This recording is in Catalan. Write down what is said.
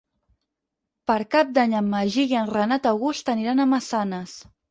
Per Cap d'Any en Magí i en Renat August aniran a Massanes.